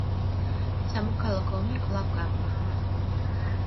სამოქალაქო ომი კვლავ გაღვივდა.